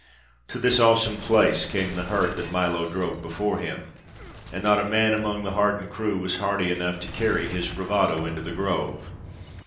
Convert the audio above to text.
To this awesome place came the herd that Milo drove before him; and not a man among the hardened crew was hardy enough to carry his bravado into the Grove.